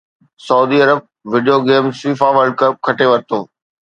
سعودي عرب video games FIFA world cup کٽي ورتو